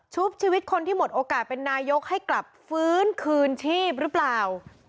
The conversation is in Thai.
ชีวิตคนที่หมดโอกาสเป็นนายกให้กลับฟื้นคืนชีพหรือเปล่า